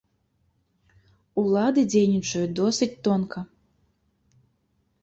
Улады дзейнічаюць досыць тонка.